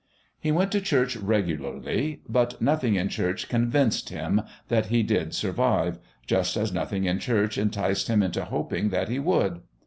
He went to church regularly. But nothing in church convinced him that he did survive, just as nothing in church enticed him into hoping that he would.